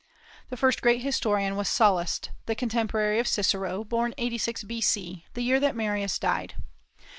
The first great historian was Sallust, the contemporary of Cicero, born 86 B.C., the year that Marius died.